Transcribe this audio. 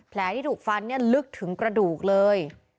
แผลที่ถูกฟันลึกถึงกระดูกเลย